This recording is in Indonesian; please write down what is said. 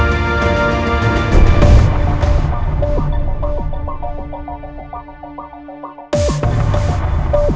untuk tim ipa silahkan langsung mulai